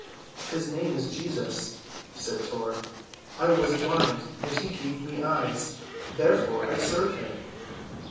"His name is Jesus," said Tor. "I was blind, and he gave me eyes. Therefore, I serve him."